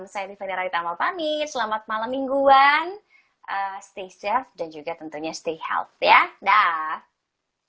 saya divani raita amal pamit selamat malam mingguan stay safe dan juga tentunya stay health ya daaah